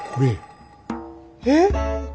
えっ？